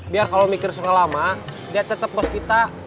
biar kalau mikir suka lama dia tetep bos kita